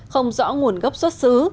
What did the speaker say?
không rõ nguồn gốc xuất xứ